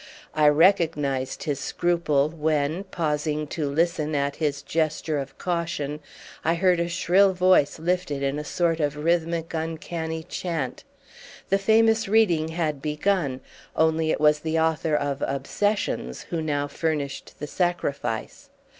I recognised his scruple when, pausing to listen at his gesture of caution, I heard a shrill voice lifted in a sort of rhythmic uncanny chant. The famous reading had begun, only it was the author of "Obsessions" who now furnished the sacrifice.